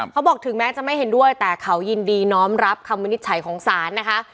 เขาบอกถึงแม้จะไม่เห็นด้วยแต่เขายินดีน้อมรับคำวินิจฉัยของศาลนะคะ